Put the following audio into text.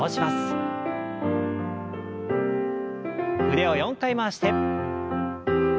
腕を４回回して。